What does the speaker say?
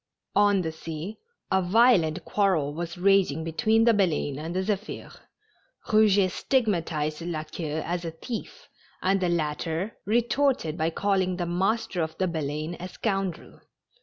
On the sea a violent quarrel was raging between the Baleine and the Zephir, Eouget stigmatized La Queue as a thief, and the latter retorted by calling the master of the Baleine a scoundrel.